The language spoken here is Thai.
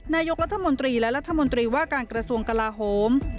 นายกรัฐมนตรีและรัฐมนตรีว่าการกระทรวงกลาโฮม